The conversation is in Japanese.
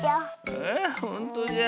ああほんとじゃ。